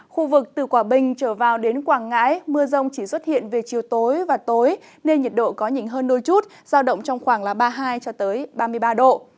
khu vực từ quảng bình trở vào đến quảng ngãi mưa rông chỉ xuất hiện về chiều tối và tối nên nhiệt độ có nhìn hơn đôi chút giao động trong khoảng ba mươi hai ba mươi ba độ